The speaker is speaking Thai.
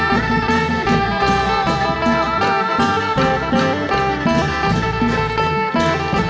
พระนายค่าเก่งสุขอย่างเที่ยวฟ้า